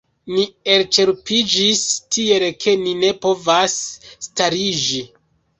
Ni elĉerpiĝis tiel ke ni ne povas stariĝi.